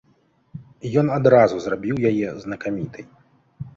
Ён адразу зрабіў яе знакамітай.